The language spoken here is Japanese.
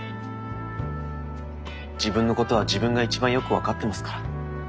自分のことは自分が一番よく分かってますから。